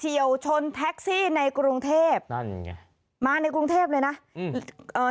วชนแท็กซี่ในกรุงเทพนั่นไงมาในกรุงเทพเลยนะอืมเอ่อ